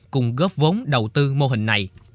cùng góp vốn đầu tư mô hình này